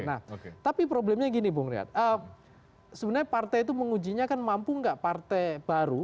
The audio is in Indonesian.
nah tapi problemnya gini bung rehat sebenarnya partai itu mengujinya kan mampu nggak partai baru